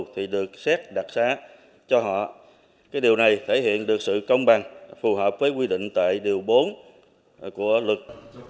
thì được xét đặc xá cho họ cái điều này thể hiện được sự công bằng phù hợp với quy định tại điều bốn của luật